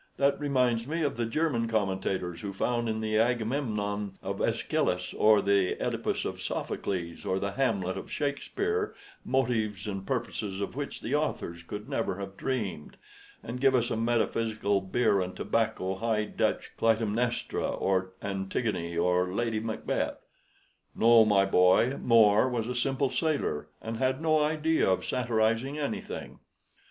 "That reminds me of the German commentators who find in the Agamemnon of AEschylus or the OEdipus of Sophocles or the Hamlet of Shakespeare motives and purposes of which the authors could never have dreamed, and give us a metaphysical, beer and tobacco, High Dutch Clytemnestra or Antigone or Lady Macbeth. No, my boy, More was a simple sailor, and had no idea of satirizing anything."